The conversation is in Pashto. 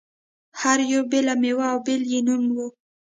هر یوې بېله مېوه او بېل یې نوم و.